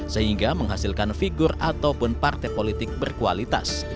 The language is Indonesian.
sehingga menghasilkan figur ataupun partai politik berkualitas